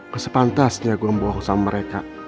kesepantasnya gue membohong sama mereka